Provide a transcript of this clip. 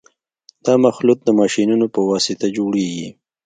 دا مخلوط د ماشینونو په واسطه جوړیږي